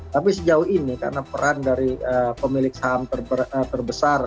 tapi sejauh ini karena peran dari pemilik saham terbesar